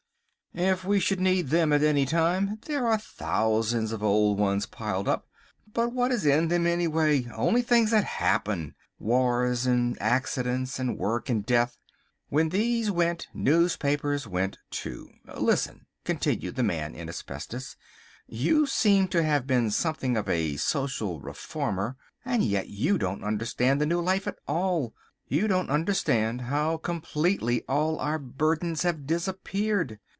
If we should need them at any time there are thousands of old ones piled up. But what is in them, anyway; only things that happen, wars and accidents and work and death. When these went newspapers went too. Listen," continued the Man in Asbestos, "you seem to have been something of a social reformer, and yet you don't understand the new life at all. You don't understand how completely all our burdens have disappeared.